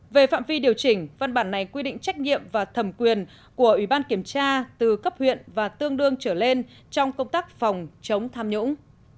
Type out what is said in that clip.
về phạm vi điều chỉnh văn bản này quy định trách nhiệm và thẩm quyền của ủy ban kiểm tra từ cấp huyện và tương đương trở lên trong công tác phòng chống tham nhũng